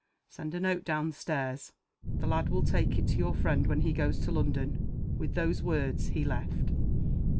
Send a note down stairs. The lad will take it to your friend when he goes to London." With those words he left.